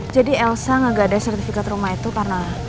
jadi elsa gak ada sertifikat rumah itu karena